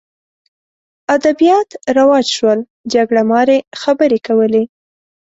ادبیات رواج شول جګړه مارۍ خبرې کولې